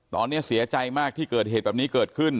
ตอนนี้เสียใจมากที่เกิดเหตุแบบนี้เกิดขึ้น